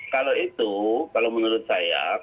kalau itu kalau menurut saya